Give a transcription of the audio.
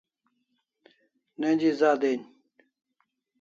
Neji za den